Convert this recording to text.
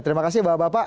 terima kasih bapak bapak